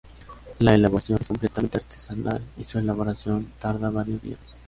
La elaboración es completamente artesanal y su elaboración tarda varios días.